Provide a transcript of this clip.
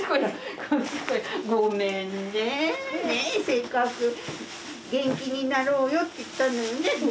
ごめんねせっかく元気になろうよって言ったのにね。